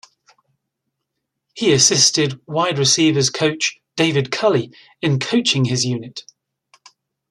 He assisted wide receivers coach David Culley in coaching his unit.